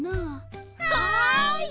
はい！